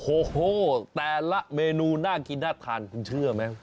โอ้โหแต่ละเมนูน่ากินน่าทานคุณเชื่อไหม